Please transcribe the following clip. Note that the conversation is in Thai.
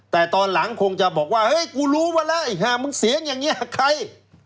แต่ตอนหลังคงจะบอกว่าเฮ้ยกูรู้มาแล้วอีก๕มึงเสียงอย่างนี้ใคร